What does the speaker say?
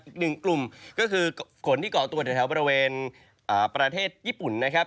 อีกหนึ่งกลุ่มก็คือฝนที่เกาะตัวแถวบริเวณประเทศญี่ปุ่นนะครับ